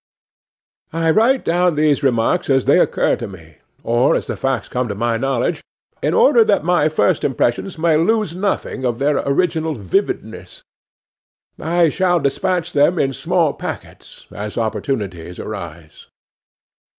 'I write down these remarks as they occur to me, or as the facts come to my knowledge, in order that my first impressions may lose nothing of their original vividness. I shall despatch them in small packets as opportunities arise.